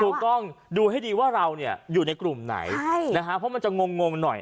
ถูกต้องดูให้ดีว่าเราเนี่ยอยู่ในกลุ่มไหนเพราะมันจะงงหน่อย